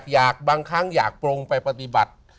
บางครั้งอยากปรงไปปฏิบัติ